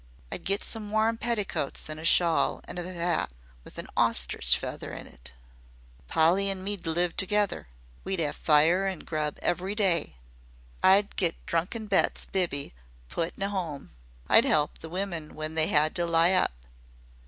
I'd get some warm petticuts an' a shawl an' a 'at with a ostrich feather in it. Polly an' me 'd live together. We'd 'ave fire an' grub every day. I'd get drunken Bet's biby put in an 'ome. I'd 'elp the women when they 'ad to lie up.